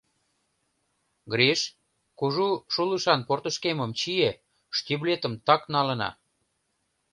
— Гриш, кужу шулышан портышкемым чие, штиблетым так налына...